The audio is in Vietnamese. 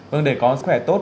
vâng để có sức khỏe tốt